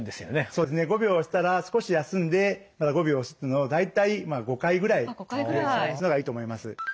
そうですね５秒押したら少し休んでまた５秒押すっていうのを大体５回ぐらい繰り返すのがいいと思います。